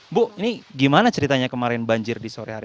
bu ini gimana ceritanya kemarin banjir di sore hari